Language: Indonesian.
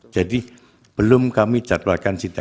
jadi belum kami sidangkan